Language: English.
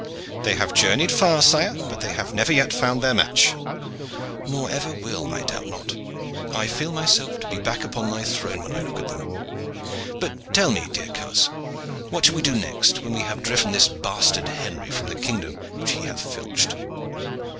"They have journeyed far, sire, but they have never yet found their match." "Nor ever will, I doubt not. I feel myself to be back upon my throne when I look at them. But tell me, dear coz, what shall we do next, when we have driven this bastard Henry from the kingdom which he hath filched?"